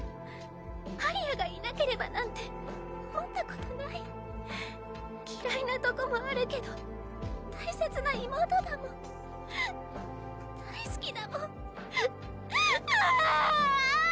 マリアがいなければなんて思ったことない嫌いなとこもあるけど大切な妹だもん大好きだもんうわあ！